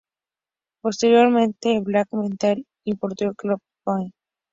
Posteriormente, el black metal importó el corpse paint.